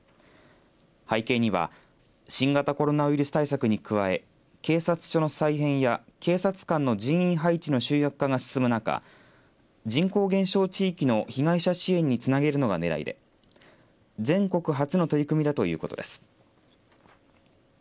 背景には新型コロナウイルス対策に加え警察署の再編や警察官の人員配置の集約化が進む中人口減少地域の被害者支援につなげるのがねらいで全国初の取り組みだということです。